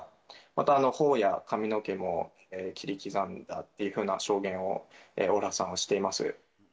またほおや髪の毛も切り刻んだっていうふうな証言をオルハさんはしています。